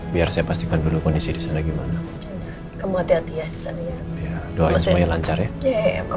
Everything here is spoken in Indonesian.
biar saya pastikan dulu kondisi disana gimana kamu hati hati aja selain lucunya placar ya